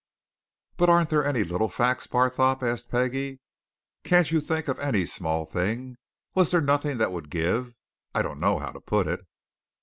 "But aren't there any little facts, Barthorpe?" asked Peggie. "Can't you think of any small thing was there nothing that would give I don't know how to put it."